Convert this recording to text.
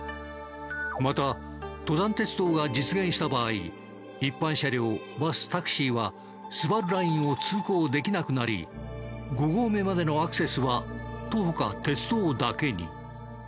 また登山鉄道が実現した場合一般車両バスタクシーはスバルラインを通行できなくなり５合目までのアクセスは徒歩か鉄道だけに。